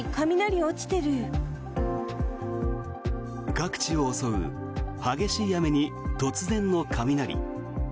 各地を襲う激しい雨に突然の雷。